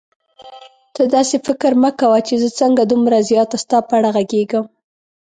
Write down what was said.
ته داسې فکر مه کوه چې زه څنګه دومره زیاته ستا په اړه غږېږم.